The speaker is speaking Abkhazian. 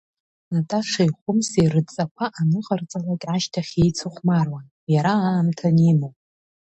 Наташеи Хәымсеи рыдҵақәа аныҟарҵалак ашьҭахь иеицыхәмаруан, иара аамҭа анимоу.